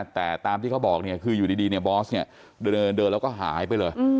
แต่ตามที่เขาบอกเนี่ยคืออยู่ดีเนี่ยบอสเนี่ยเดินแล้วก็หายไปเลย